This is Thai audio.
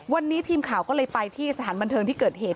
วันนี้ทีมข่าวก็เลยไปที่สถานบันเทิงที่เกิดเหตุ